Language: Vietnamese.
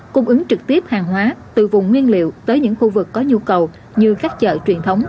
cung ứng trực tiếp hàng hóa từ vùng nguyên liệu tới những khu vực có nhu cầu như các chợ truyền thống